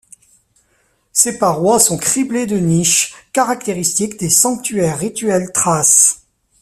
Ses parois sont criblées de niches, caractéristiques des sanctuaires rituels thraces.